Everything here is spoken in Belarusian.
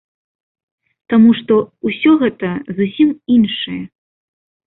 Таму што ўсё гэта зусім іншае.